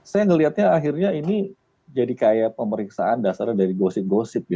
saya melihatnya akhirnya ini jadi kayak pemeriksaan dasarnya dari gosip gosip